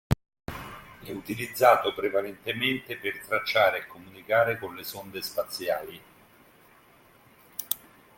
È utilizzato prevalentemente per tracciare e comunicare con le sonde spaziali.